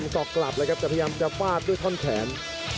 สอกกลับเลยครับแต่พยายามจะฟาดด้วยท่อนแขน